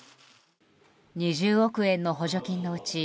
２０億円の補助金のうち